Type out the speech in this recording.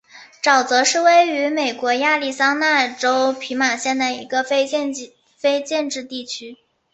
沼泽是位于美国亚利桑那州皮马县的一个非建制地区。